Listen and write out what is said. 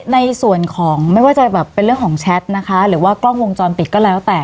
ในส่วนของไม่ว่าจะแบบเป็นเรื่องของแชทนะคะหรือว่ากล้องวงจรปิดก็แล้วแต่